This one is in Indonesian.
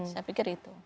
saya pikir itu